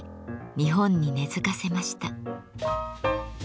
日本に根づかせました。